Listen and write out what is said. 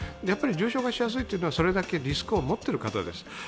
やはり重症化しやすいというのはそれだけのリスクを持っている方です